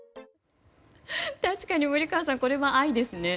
確かに森川さんこれは愛ですね。